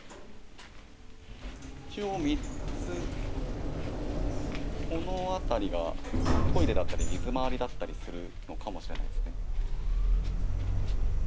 一応、３つ、この辺りがトイレだったり水回りだったりするのかもしれないです